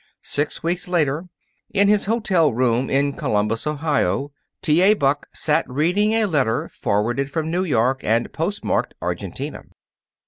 Six weeks later, in his hotel room in Columbus, Ohio, T. A. Buck sat reading a letter forwarded from New York and postmarked Argentina.